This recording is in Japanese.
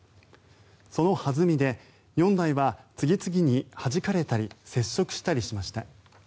その弾みで４台は次々にはじかれたり接触したりしました。